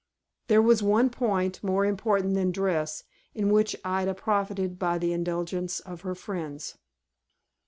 There was one point, more important than dress, in which Ida profited by the indulgence of her friends.